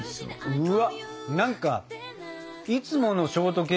うわ。